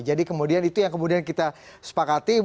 kemudian itu yang kemudian kita sepakati